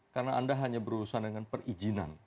karena anda hanya berurusan dengan perizinan